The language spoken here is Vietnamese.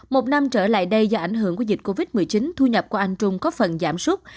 một năm trở lại đây do ảnh hưởng của dịch covid một mươi chín thu nhập của anh trung có phần giảm sút